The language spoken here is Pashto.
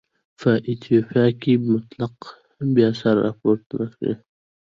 په ایتوپیا کې مطلقیت بیا سر راپورته کړ.